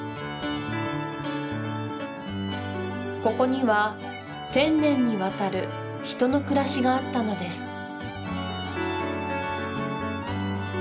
ここには１０００年にわたる人の暮らしがあったのです